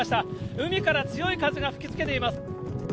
海から強い風が吹きつけています。